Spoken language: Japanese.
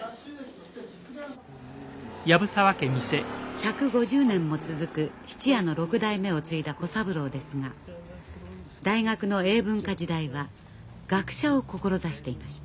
１５０年も続く質屋の六代目を継いだ小三郎ですが大学の英文科時代は学者を志していました。